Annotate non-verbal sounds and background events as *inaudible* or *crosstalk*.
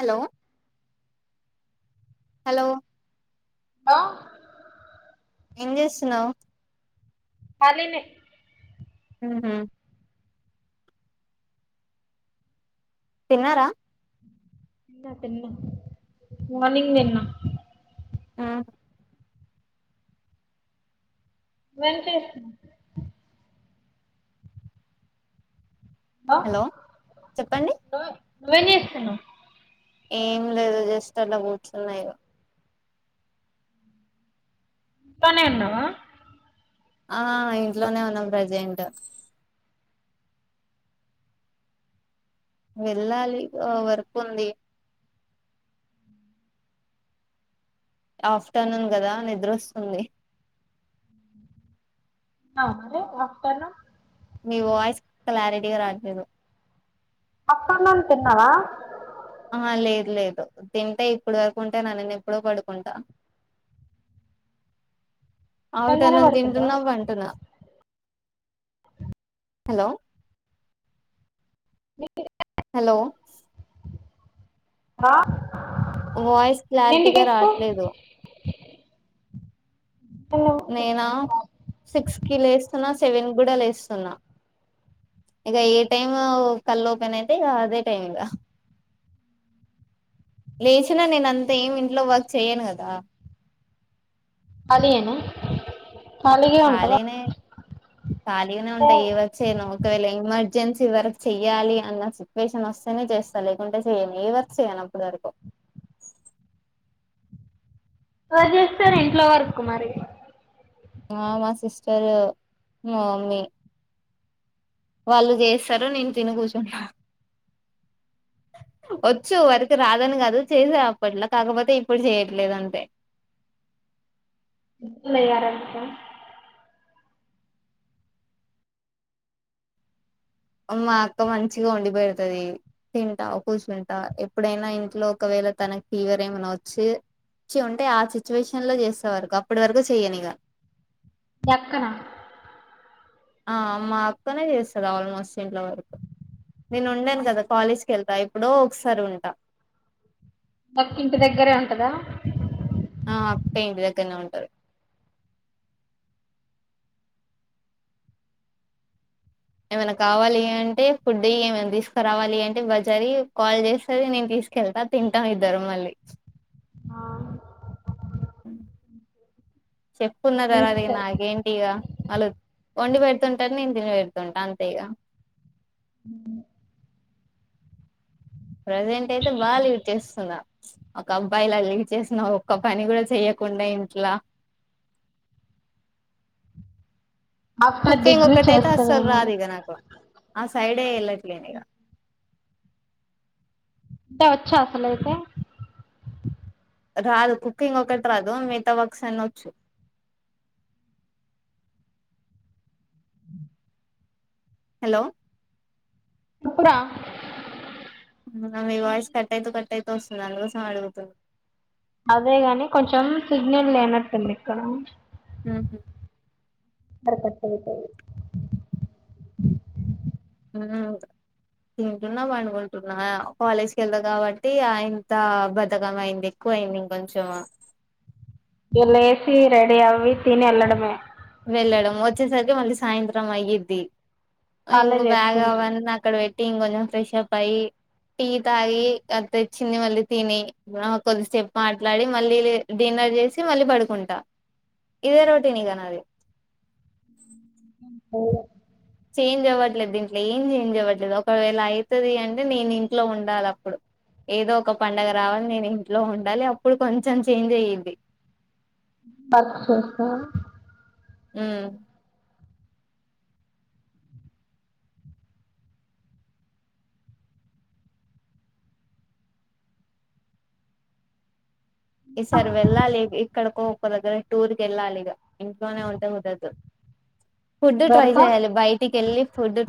hello hello hello ఏం చేస్తున్నావు కాలినే ఉహు తిన్నారా ఇంగ తినలే మార్నింగ్ తిన్నా ఆ వెంకేటేష్ హలో చెప్పండి నువ్వు ఎమ్ చేస్తున్నావ్ ఏం లేదు జస్ట్ అలా కూర్చున్న ఇగ తనే ఉన్నావా ఆ ఇంట్లోనే ఉన్నాం ప్రజెంట్ వెళ్లాలి వ వర్క్ ఉంది ఆఫ్టర్నూన్ కదా నిద్రొస్తుంది మరే ఆఫ్టర్నూన్ మీ వాయిస్ క్లారిటీగా రాట్లేదు పప్పుఅన్నం తిన్నావా ఆ లేదు లేదు తింటే ఇప్పుడు వరకు ఉంటానా ఎప్పుడో పడుకుంటా అవి తినంగానే *unintelligible* పడుకుంటావా తింటున్నా పాంటున్న హలో మీ పే హలో ఆ వాయిస్ ఎన్నింటికి క్లారిటీగా లేస్తావ్ రాట్లేదు నేనా సిక్స్ కి లేస్తున్నా సెవెన్ కూడా లేస్తు తున్న ఇక ఏ టైం కళ్ళు ఓపెన్ అయితే ఇక అదే టైం ఇగా లేచిన నేను అంతే ఏమీ ఇంట్లో వర్క్ చేయను కదా కలి యేన కలిగానే కలిగానే ఉంట ఏ వర్క్ చేయను ఒక వేళ ఎమర్జె జెన్సీ వరకు చెయ్యాలి అన్న సిచ్చువేషన్ వస్తేనే చేస్తా లేకుంటే చెయను ఏ వర్క్ చేయను అప్పుటి వరకు ఎవరు చేస్తారు ఇంట్లో వర్క్ మరి ఆ మా సిస్టరు మా మమ్మీ వాళ్ళు చేస్తారు నేను తీని కూర్చుంట వచ్చు వర్క్ రాదని కాదు చేసా అప్పట్లో కాకపోతే ఇప్పుడు చేయట్లేదు అంతే *unintelligible* మా అక్క మంచిగా వండి పేడతది తింటా కూర్చుంటా ఎప్పుడైనా ఇంట్లో ఒకవేళ తనకి ఫీవర్ ఏమైనా వచ్చి వచ్చిఉంటే ఆ సిచ్యువేషన్ లో చేస్తా వరకు అప్పటి వరకు చెయనిగా మీ అక్క నా ఆ మా అక్కనే చేస్తుంది ఆల్మోస్ట్ చేస్తది ఇంట్లో వర్క్ నేను ఉండను కదా మీ కాలేజ్కి వెళ్తా ఇప్పుడో ఒకసారి ఉంట అ మక ఇంటి దగ్గరే ఉంటదా ఆ పెయింట్ దగ్గనే ఉంటారు ఏమైనా కావాలి అంటే ఫుడ్ ఏమైనా తీసుకురావాలి అంటే బజారీ కాల్ చేస్తది నేను తీసుకెళ్తా తింటాం ఇద్దరు మళ్ళీ ఆ హ్మ్ చెప్పుకున్న తర్వాత ఇక మంచిదే నాకేంటి ఇక అళ వండి పెడుతుంటారు నేను తిని పెడుతుంటాను అంతే ఇగా ప్రజెంట్ అయితే బాగా లీవ్ చేస్తున్నా ఒక అబ్బాయిలా లీవ్ చేసన్నా ఒక్క పని కూడా చెయ్యకుండా ఇంట్లా ఆఫ్టర్ కుకింగ్ డిగ్రీ ఒకక్కటైతే చేస్తవేమో అసలు రాదు లే ఇగ నాకు ఆ సైడే వెళ్ళట్లేను ఇగ వంట వచ్చ అసలుతే రాదు కుకింగ్ ఒకటి రాదు మిగతా వక్స్ అనొచ్చు హలో అప్పురా న వయిస్ కట్టాతు కట్టయితు స్తుందిాలు కోసం అడుగుతుంది అదేగాని కొంచెం సిగ్నల్ లేనట్టుంది ఇక్కడ హ్మ్ అకట్టతే హ్మ్ తింటున్న పడుకున్న అనుకుంటున్నా కాలేజ్కి వెళ్దా కాబట్టి ఇంత బధకం అయింది ఎక్కువ అయింది ఇంకొంచం ఇగ లేసి రెడి ఆవవి తిని ఎల్డమమె వెళ్ళడం వచ్చేసరికి మళ్ళీ సాయంత్రం అయ్యద్ది వాళ్ళే ఇంగ బ్యాగ చేసుకుంట్రు వంద ఆక్కడ వయి టీన్ కొంచెం ఫ్రెష్ప్ అయయి టీ తాగి అ తెచ్చింది మళ్ళీ తిని కొద్ది స్టెప్ మాట్లాడి మళ్ళీ డిన్నర్ చేసి మళ్ళీ పడుకుంటా ఇదే రోటీని కాని అది ఓ చేంజ్ అవ్వట్లేదు ఇంట్లో ఏం చేంజ్ ఇవ్వట్లేదు ఒకవేళ అవుతుది అంటే నేను ఇంట్లో ఉండాలి అప్పుడు ఏదో ఒక పండగ రావాలి నేను ఇంట్లో ఉండాలి అప్పుడు కొంచెం చేంజ్ అయ్యద్ది అచ్చ హ్మ్మ్ ఈసారి వెళ్ళాలి ఇక్కడికో కొగ టూర్ గల్ అల్గ ఇంట్లోనే ఉద హఊదదు ఫుడ్ ట్రై భర్త చేయాలి బయటికి వెళ్ళి ఫుడ్